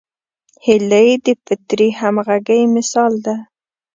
هیلۍ د فطري همغږۍ مثال ده